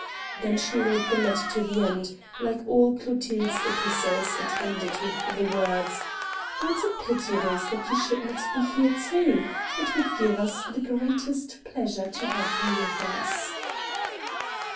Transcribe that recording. Then she read the letter to the end; like all Clotilde's epistles it ended with the words; "What a pity it is that you should not be here too; it would give us the greatest pleasure to have you with us."